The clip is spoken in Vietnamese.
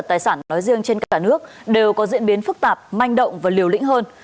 tài sản nói riêng trên cả nước đều có diễn biến phức tạp manh động và liều lĩnh hơn